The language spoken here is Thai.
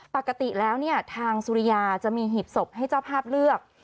ปกติแล้วเนี่ยทางสุริยาจะมีหีบศพให้เจ้าภาพเลือก